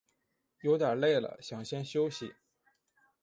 有点累了想先休息